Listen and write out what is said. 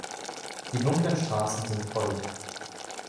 Die dunklen Straßen sind feucht.